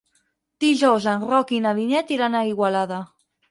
Dijous en Roc i na Vinyet iran a Igualada.